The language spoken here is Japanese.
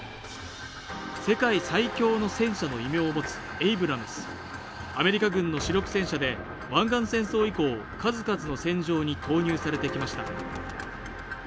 世界最強の戦車の異名を持つエイブラムスアメリカ軍の主力戦車で湾岸戦争以降数々の戦場に投入されてきました